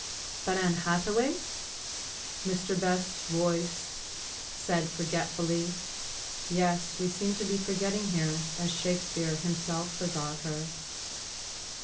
—But Ann Hathaway? Mr Best's quiet voice said forgetfully. Yes, we seem to be forgetting her as Shakespeare himself forgot her.